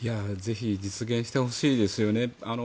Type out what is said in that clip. ぜひ実現してほしいですよね。